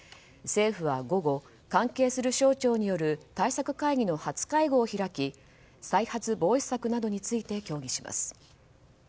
政府は午後、関係する省庁による対策会議の初会合を開き再発防止策などについて協議します。